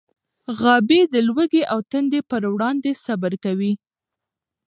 غابي د لوږې او تندې پر وړاندې صبر کوي.